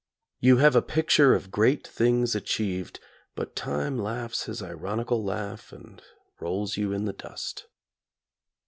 You have a picture of great things achieved, but Time laughs his ironical laugh and rolls you in the dust.